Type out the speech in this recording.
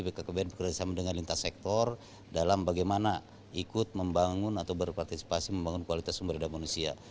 bkkbn bekerjasama dengan lintas sektor dalam bagaimana ikut membangun atau berpartisipasi membangun kualitas sumber daya manusia